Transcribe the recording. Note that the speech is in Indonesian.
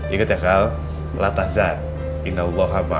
ingat ya kal